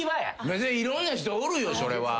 別にいろんな人おるよそれは。